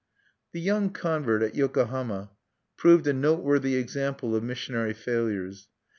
The young convert at Yokohama proved a noteworthy example of missionary failures.